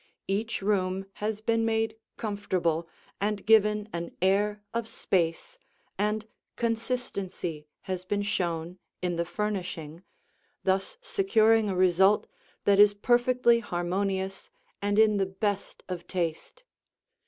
Each room has been made comfortable and given an air of space, and consistency has been shown in the furnishing, thus securing a result that is perfectly harmonious and in the best of taste.